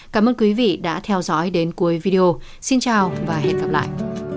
cảm ơn quý vị đã theo dõi đến cuối video xin chào và hẹn gặp lại